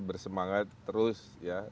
bersemangat terus ya